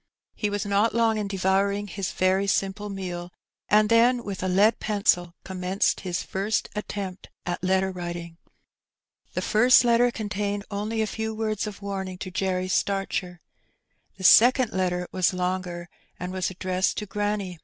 He was not long in devouring his very simple meal, and then with a lead pencil commenced his first attempt at letter writing. The first letter contained only a few words of warning to Jerry Starcher. The second letter was longer, and was addressed to granny.